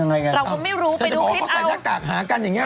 นี่ถ้าเนี้ยทายใส่หน้ากาก